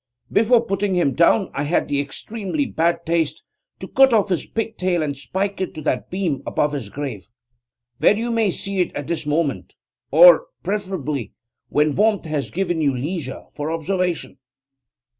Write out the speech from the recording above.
But before putting him down I had the extremely bad taste to cut off his pigtail and spike it to that beam above his grave, where you may see it at this moment, or, preferably, when warmth has given you leisure for observation.